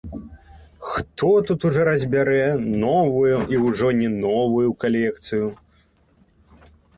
Хто тут разбярэ новую і ўжо не новую калекцыю.